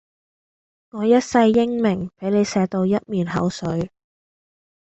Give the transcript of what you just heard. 我一世英名，俾你鍚到一面口水